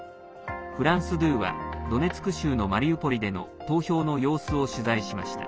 フランス２はドネツク州のマリウポリでの投票の様子を取材しました。